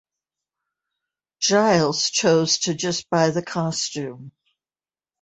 Giles chose to just buy the costume.